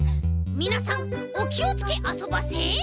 みなさんおきをつけあそばせ！